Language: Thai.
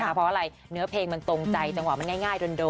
เพราะอะไรเนื้อเพลงมันตรงใจจังหวะมันง่ายโดน